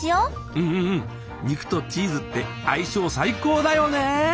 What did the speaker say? うんうんうん肉とチーズって相性最高だよね。